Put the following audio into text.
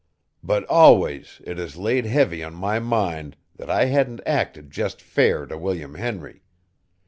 But always it has laid heavy on my mind that I hadn't acted jest fair t' William Henry.